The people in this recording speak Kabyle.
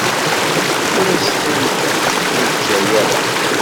Ur as-tent-id-teǧǧa ara.